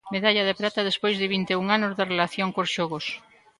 Medalla de prata despois de vinte e un anos de relación cos xogos.